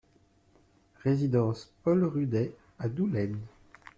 Résidence Paul Rudet à Doullens